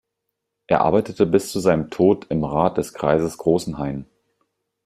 Er arbeitete bis zu seinem Tod im Rat des Kreises Großenhain.